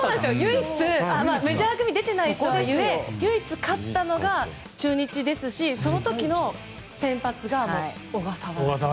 唯一、メジャー組出てないとはいえ唯一勝ったのが、中日ですしその時の先発が小笠原。